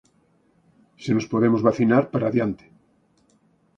Se nos podemos vacinar, para adiante.